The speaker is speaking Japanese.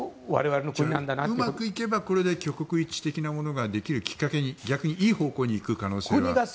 うまくいけばこれで挙国一致とかができるきっかけに逆にいい方向に行く可能性が。